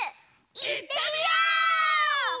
いってみよう！